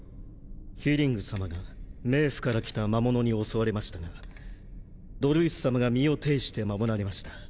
ヒリング様が冥府から来た魔物に襲われましたがドルーシ様が身をていして守られました。